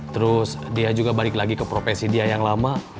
terus dia juga balik lagi ke profesi dia yang lama